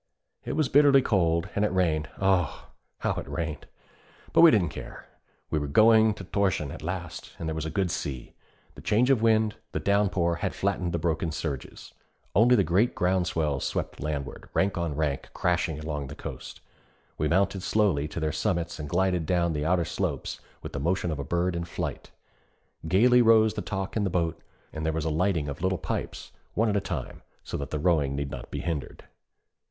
It was bitterly cold, and it rained oh, how it rained! But we didn't care, we were going to Thorshavn at last, and there was a good sea. The change of wind, the down pour, had flattened the broken surges. Only the great ground swells swept landward, rank on rank, crashing along the coast. We mounted slowly to their summits and glided down the outer slopes with the motion of a bird in flight. Gayly rose the talk in the boat, and there was a lighting of little pipes, one at a time, so that the rowing need not be hindered.